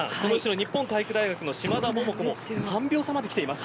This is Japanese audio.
日本体育大学の嶋田桃子も３秒差まで来ています。